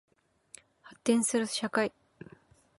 発展する社会